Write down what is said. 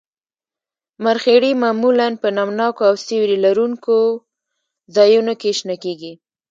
مرخیړي معمولاً په نم ناکو او سیوري لرونکو ځایونو کې شنه کیږي